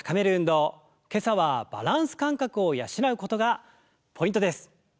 今朝はバランス感覚を養うことがポイントです！